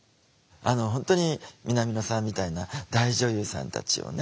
本当に南野さんみたいな大女優さんたちをね